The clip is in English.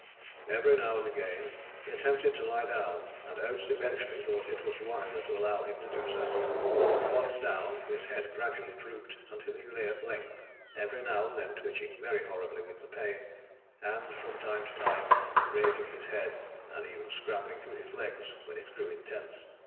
"Every now and again he attempted to lie down, and Oates eventually thought it was wiser to allow him to do so. Once down, his head gradually drooped until he lay at length, every now and then twitching very horribly with the pain, and from time to time raising his head and even scrambling to his legs when it grew intense.